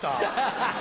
ハハハ！